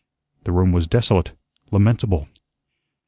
The room was desolate, lamentable.